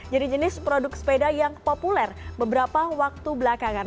jadi jenis produk sepeda yang populer beberapa waktu belakangan